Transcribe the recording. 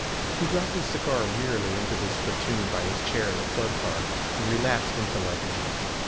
He dropped his cigar wearily into the spittoon by his chair in the club car and relapsed into lethargy.